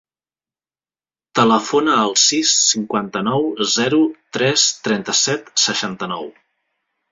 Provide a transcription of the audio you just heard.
Telefona al sis, cinquanta-nou, zero, tres, trenta-set, seixanta-nou.